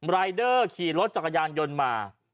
รายเดอร์ขี่รถจักรยานยนต์มา